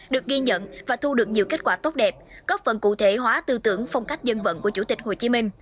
được ghi nhận và thu được nhiều kết quả tốt đẹp góp phần cụ thể hóa tư tưởng phong cách dân vận của chủ tịch hồ chí minh